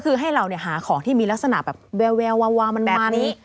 คือให้เราหาของที่มีลักษณะแบบแวววาวมันแบบนี้